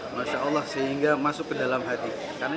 masya allah sehingga masuk ke dalam hati